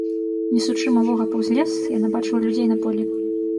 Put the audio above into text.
Несучы малога паўз лес, яна бачыла людзей на полі.